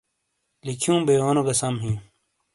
لکھیوں بئیونو گہ سم ہیں۔